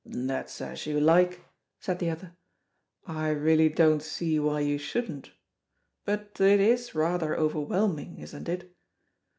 "That's as you like," said the other. "I really don't see why you shouldn't. But it is rather overwhelming, isn't it?